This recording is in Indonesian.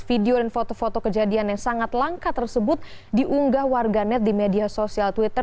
video dan foto foto kejadian yang sangat langka tersebut diunggah warganet di media sosial twitter